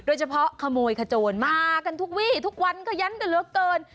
โดยเฉพาะขโมยขโจรมากันทุกวี่ทุกวันขยันกันเหลือเกิน